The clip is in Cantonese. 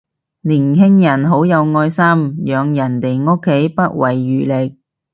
年輕人好有愛心，養人哋屋企不遺餘力